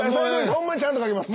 ホントにちゃんと描きます。